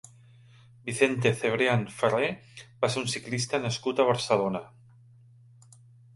Vicente Cebrián Ferrer va ser un ciclista nascut a Barcelona.